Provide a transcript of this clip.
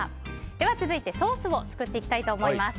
では続いてソースを作っていきたいと思います。